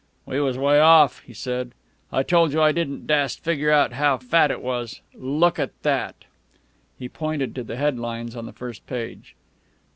"We was way off," he said. "I told you I didn't dast figger out how fat it was. Look at that." He pointed to the head lines on the first page.